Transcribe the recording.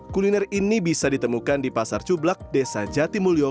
kuliner ini bisa ditemukan di pasar cublak desa jatimulyo